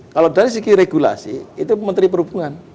kalau dari segi regulasi itu menteri perhubungan